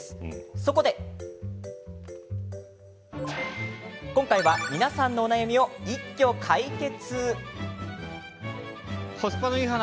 そこで、今回は皆さんのお悩みを一挙解決！